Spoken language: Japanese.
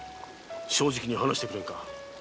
正直に話してくれんか。